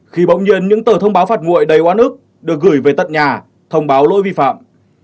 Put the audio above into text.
khi bỗng nhiên những tờ thông báo phạt nguội đầy oán ức được gửi về tận nhà thông báo lỗi vi phạm